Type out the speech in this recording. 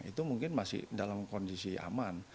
itu mungkin masih dalam kondisi aman